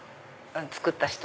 作った人。